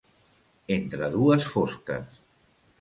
Entre dues fosques.